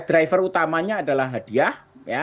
driver utamanya adalah hadiah